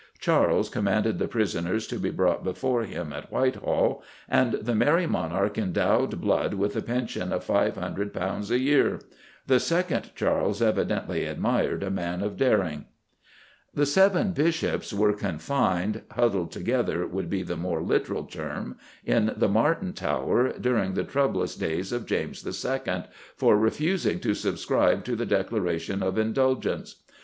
Charles commanded the prisoners to be brought before him at Whitehall, and the Merry Monarch endowed Blood with a pension of £500 a year. The second Charles evidently admired a man of daring. The Seven Bishops were confined huddled together would be the more literal term in the Martin Tower, during the troublous days of James II., for refusing to subscribe to the Declaration of Indulgence.